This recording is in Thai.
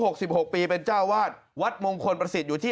อาวาสมีการฝังมุกอาวาสมีการฝังมุกอาวาสมีการฝังมุก